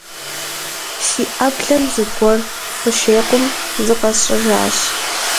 Си Ӏэблэм зыгуэр къыщекъум, зыкъэсщӀэжащ.